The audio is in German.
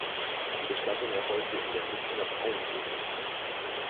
Die Bestattung erfolgte in der Münchner Frauenkirche.